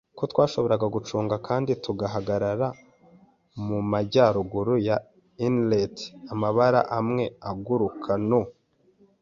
ko twashoboraga gucunga, kandi tugahagarara mumajyaruguru ya Inlet, amabara amwe aguruka nu